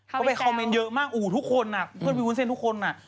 เข้าไปคอมเมนต์เยอะมากทุกคนอ่ะทุกคนอ่ะวิวุ้นเซ็นทุกคนอ่ะ